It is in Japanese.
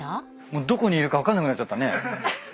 もうどこにいるか分かんなくなっちゃったね。